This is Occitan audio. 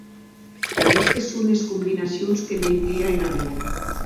Qu’aguestes son es combinacions que n’ei plia era vida.